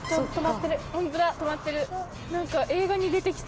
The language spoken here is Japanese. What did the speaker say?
止まってる。